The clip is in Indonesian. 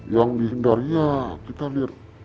yang dihindari ya kita lihat